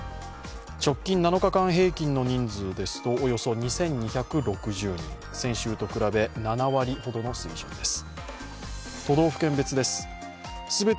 直近７日間平均の人数ですとおよそ２２６０人、先週と比べ、７割ほどの水準です。